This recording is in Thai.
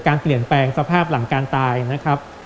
การเปลี่ยนแปลงสภาพหลังการตายนะครับ